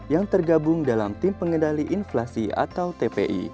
yang tergabung dalam tim pengendali inflasi atau tpi